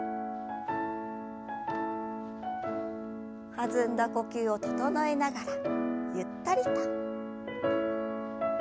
弾んだ呼吸を整えながらゆったりと。